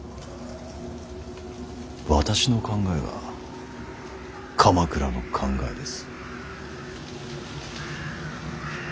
私の考えが鎌倉の考えです。